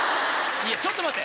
ちょっと待って！